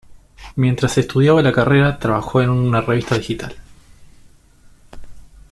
Mientras estudiaba la carrera trabajó en una revista digital.